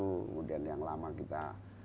kemudian yang lama kita